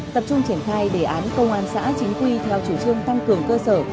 tập trung triển khai đề án công an xã chính quy theo chủ trương tăng cường cơ sở